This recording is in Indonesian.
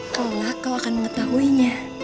kalau kau akan mengetahuinya